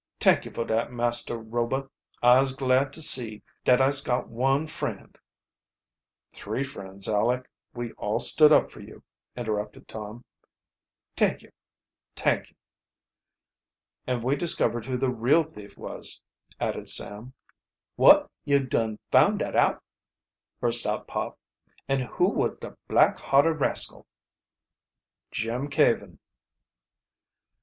"T'ank yo' fo' dat, Master Rober I'se glad to see dat I'se got one friend " "Three friends, Aleck we all stood up for you," interrupted Tom. "T'ank yo', t'ank yo'!" "And we discovered who the real thief was," added Sam. "Wot, yo' dun found, dat out!" burst out Pop. "An' who was de black hearted rascal?" "Jim Caven."